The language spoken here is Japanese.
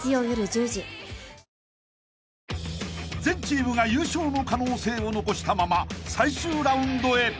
［全チームが優勝の可能性を残したまま最終ラウンドへ］